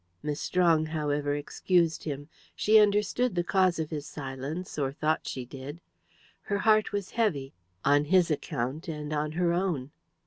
Miss Strong, however, excused him. She understood the cause of his silence or thought she did. Her heart was heavy on his account, and on her own.